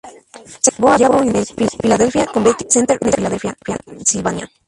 Se llevó a cabo en el Philadelphia Convention Center de Filadelfia, Pensilvania.